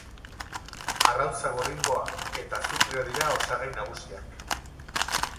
Arrautza gorringoa eta azukrea dira osagai nagusiak.